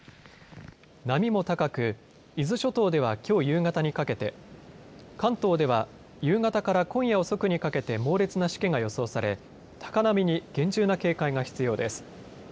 波も高く伊豆諸島ではきょう夕方にかけて、関東では夕方から今夜遅くにかけて猛烈なしけが予想され高波に厳重な警戒が必要です。